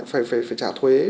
phải trả thuế